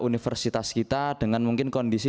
universitas kita dengan mungkin kondisi